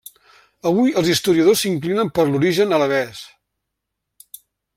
Avui, els historiadors s'inclinen per l'origen alabès.